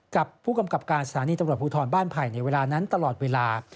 กับผู้กำกับการสถานีตำรวจภูทรบ้านไผ่ในเวลานั้นตลอดเวลา